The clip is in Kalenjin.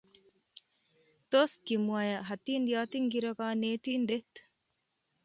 Tos kimwoe hatindiot ingiro konetindet?